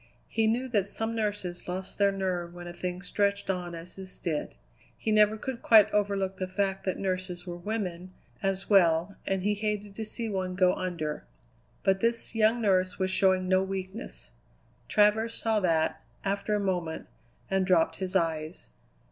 He knew that some nurses lost their nerve when a thing stretched on as this did; he never could quite overlook the fact that nurses were women, as well, and he hated to see one go under. But this young nurse was showing no weakness. Travers saw that, after a moment, and dropped his eyes.